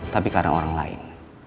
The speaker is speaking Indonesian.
tapi karena orang lain